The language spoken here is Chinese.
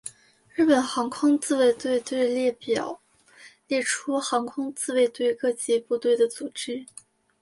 日本航空自卫队队列表列出航空自卫队各级部队的组织。